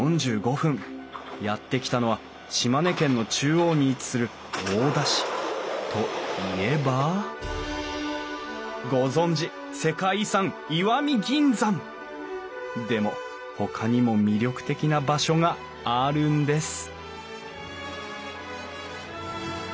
やって来たのは島根県の中央に位置する大田市。といえばご存じ世界遺産石見銀山！でもほかにも魅力的な場所があるんです